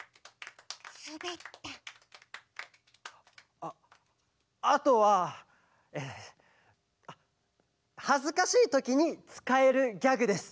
ああとはえはずかしいときにつかえるギャグです。